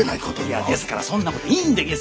いやですからそんなこといいんでげすよ！